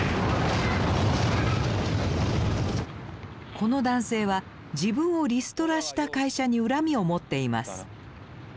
この男性は自分をリストラした会社に恨みを持っています。